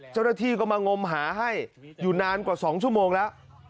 เจ้าหน้าที่ก็มางมหาให้อยู่นานกว่า๒ชั่วโมงแล้ว